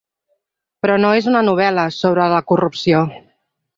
Però no és una novel·la sobre la corrupció.